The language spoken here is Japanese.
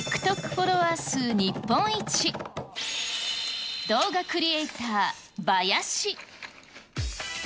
フォロワー数日本一、動画クリエーター、バヤシ。